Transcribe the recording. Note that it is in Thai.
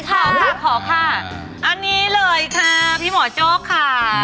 ขอข่าวขอค่ะพี่หมอโจ๊กค่ะ